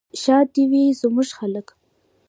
ښاد دې وي زموږ خلک.